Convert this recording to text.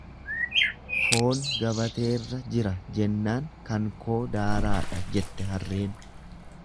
Foon gabateerra jira jennaan kan koo daaraadha jette harreen.